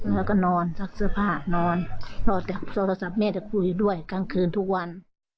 แล้วก็นอนซักเสื้อผ้านอนรอจากโทรศัพท์แม่จะคุยด้วยกลางคืนทุกวัน